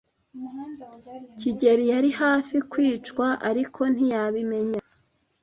kigeli yari hafi kwicwa, ariko ntiyabimenya.